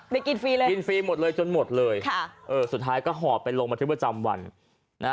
เด็กกินฟรีเลยจนหมดเลยสุดท้ายก็หอบไปลงมาที่เบื้อจำวัน